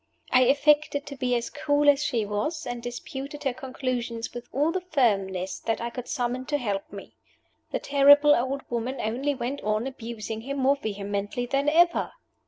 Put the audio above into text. I affected to be as cool as she was; and I disputed her conclusions with all the firmness that I could summon to help me. The terrible old woman only went on abusing him more vehemently than ever.